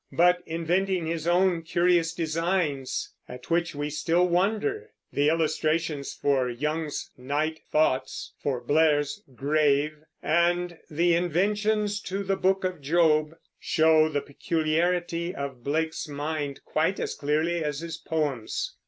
but inventing his own curious designs, at which we still wonder. The illustrations for Young's "Night Thoughts," for Blair's "Grave," and the "Inventions to the Book of Job," show the peculiarity of Blake's mind quite as clearly as his poems.